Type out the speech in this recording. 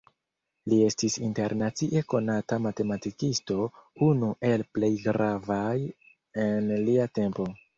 Li estis internacie konata matematikisto, unu el plej gravaj en lia tempo.